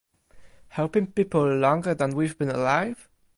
Helping people longer than we’ve been alive?